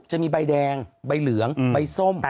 จะมีใบแดงใบเหลืองใบส้ม